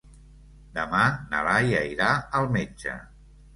Demà na Laia irà al metge.